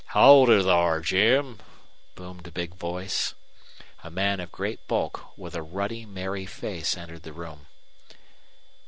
"Howdy thar, Jim," boomed a big voice. A man of great bulk, with a ruddy, merry face, entered the room.